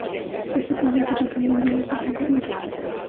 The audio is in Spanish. Este plano es el resumen de los dos anteriores.